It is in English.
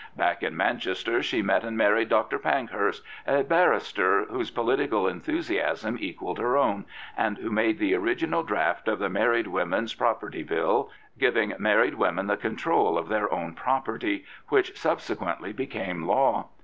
Back in Manchester, she met and married Dr. Pankhurst, a barrister, whose political enthusiasm equalled her own, and who made the original draft of the Married Women's Property Bill — giving married women the control of their own property — which subsequently became law.